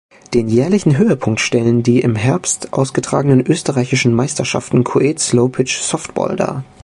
Den jährlichen Höhepunkt stellen die im Herbst ausgetragenen Österreichischen Meisterschaften Coed Slowpitch-Softball dar.